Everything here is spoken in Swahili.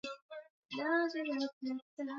yalihamia katika eneo hilo miaka mia mbili iliyopita